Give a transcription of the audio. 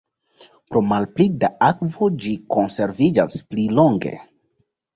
Pro malpli da akvo ĝi konserviĝas pli longe.